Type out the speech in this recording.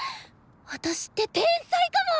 私って天才かも！